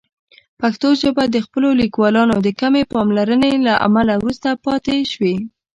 پښتو ژبه د خپلو لیکوالانو د کمې پاملرنې له امله وروسته پاتې شوې.